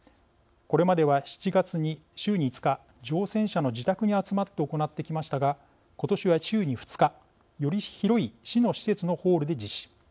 これまでは、７月に週に５日乗船者の自宅に集まって行ってきましたが今年は、週に２日より広い市の施設のホールで実施。